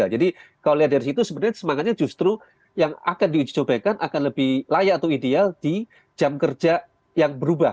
jadi kalau lihat dari situ sebenarnya semangatnya justru yang akan diuji coba kan akan lebih layak atau ideal di jam kerja yang berubah